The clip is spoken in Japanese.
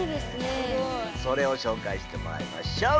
すごい。それをしょうかいしてもらいましょう！